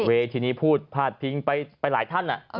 เวทีนี้พูดพาดพิงไปหลายท่าน